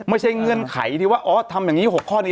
เงื่อนไขที่ว่าอ๋อทำอย่างนี้๖ข้อนี้